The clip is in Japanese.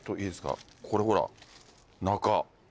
これほら中。